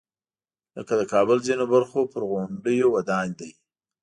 لکه د کابل ځینو برخو پر غونډیو ودان دی.